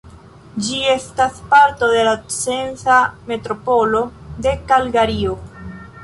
Ĝi estas parto de la Censa Metropolo de Kalgario.